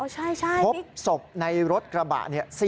ใช่พริกพบศพในรถกระบะนี่